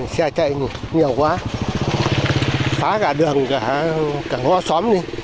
xe chạy nhiều quá phá cả đường cả ngó xóm đi